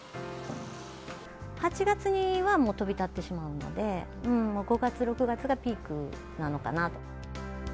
８月にはもう飛び立ってしまうので、もう５月、６月がピークなのかなと。